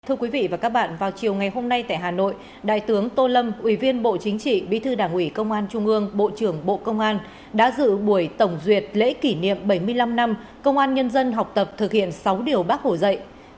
thưa quý vị và các bạn vào chiều ngày hôm nay tại hà nội đại tướng tô lâm ủy viên bộ chính trị bí thư đảng ủy công an trung ương bộ trưởng bộ công an đã dự buổi tổng duyệt lễ kỷ niệm bảy mươi năm năm công an nhân dân học tập thực hiện sáu điều bác hồ dạy